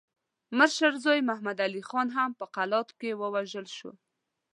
مشر زوی محمد علي خان هم په قلات کې ووژل شو.